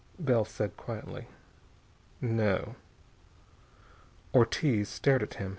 Bell said quietly: "No." Ortiz stared at him.